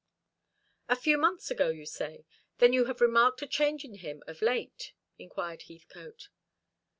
"A few months ago, you say. Then you have remarked a change in him of late?" inquired Heathcote.